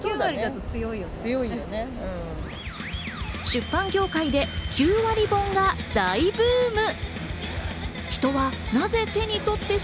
出版業界で９割本が大ブーム。